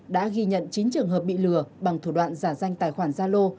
đã ghi nhận chín trường hợp bị lừa bằng thủ đoạn giả danh tài khoản zalo